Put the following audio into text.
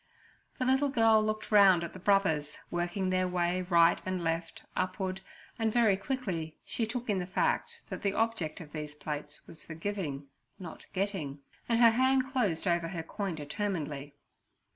The little girl looked round at the Brothers working their way right and left upward, and very quickly she took in the fact that the object of these plates was for giving, not getting, and her hand closed over her coin determinedly.